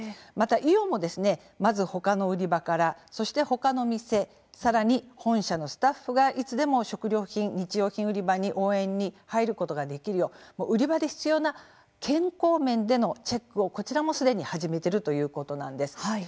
また、イオンもまずほかの売り場から、そしてほかの店さらに本社のスタッフがいつでも食料品、日用品売り場に応援で入ることができるよう売り場で必要な健康面でのチェックをこちらもすでに始めているということなんです。